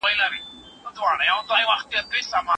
که نظم نه وي پرمختګ ناشونی دی.